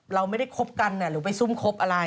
เราไม่ได้คบกันหรือไปซุ่มคบอะไร